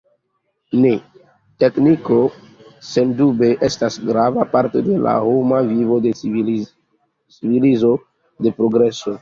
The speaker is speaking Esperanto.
Ne, tekniko sendube estas grava parto de l’ homa vivo, de civilizo, de progreso.